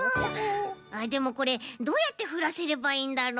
あっでもこれどうやってふらせればいいんだろう？